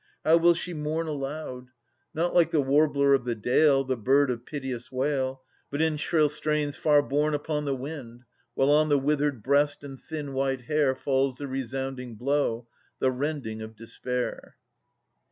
How will she mourn aloud! 628 660] Atas 75 Not like the warbler of the dale, The bird of piteous wail, But in shrill strains far borne upon the wind, While on the withered breast and thin white hair Falls the resounding blow, the rending of despair.